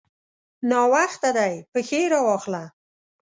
ناوخته دی؛ پښې راواخله.